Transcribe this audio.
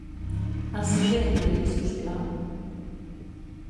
El seu de-ena-i si us plau?